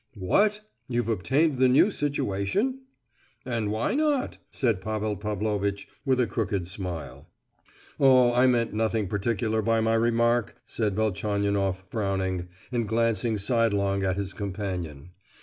"What? You've obtained the new situation?" "And why not?" said Pavel Pavlovitch, with a crooked smile. "Oh, I meant nothing particular by my remark!" said Velchaninoff frowning, and glancing sidelong at his companion.